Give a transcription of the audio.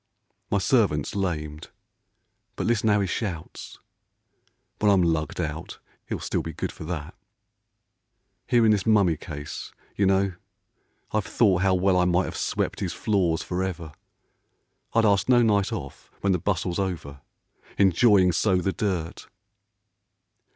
My servant 's lamed, but listen how he shouts ! When I'm lugged out, he'll still be good for that. Here in this mummy case, you know, I've thought How well I might have swept his floors for ever, I'd ask no night off when the bustle's over, Enjoying so the dirt.